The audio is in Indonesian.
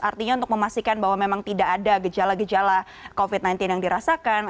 artinya untuk memastikan bahwa memang tidak ada gejala gejala covid sembilan belas yang dirasakan